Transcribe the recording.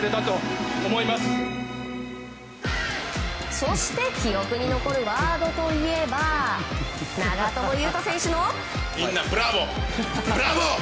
そして記憶に残るワードといえば長友佑都選手の。